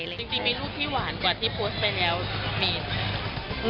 จริงมีรูปที่หวานกว่าที่โพสต์ไปแล้วมีไหม